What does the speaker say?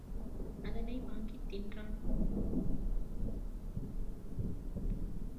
அதனை வாங்கித் தின்றான்.